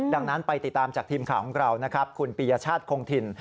ดังนั้นไปติดตามจากทีมข่าวของเรานะครับคุณปียชาติคงถิ่น